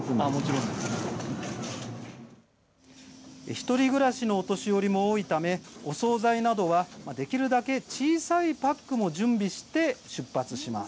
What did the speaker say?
１人暮らしのお年寄りも多いためお総菜などはできるだけ小さいパックも準備して出発します。